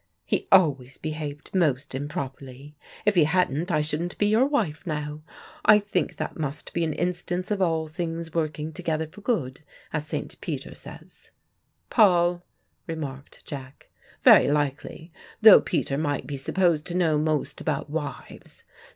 He always behaved most improperly. If he hadn't, I shouldn't be your wife now. I think that must be an instance of all things working together for good, as St. Peter says." "Paul," remarked Jack. "Very likely, though Peter might be supposed to know most about wives.